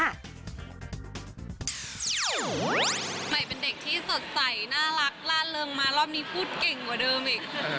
ใหม่เป็นเด็กที่สดใสน่ารักล่าเริงมารอบนี้พูดเก่งกว่าเดิมอีก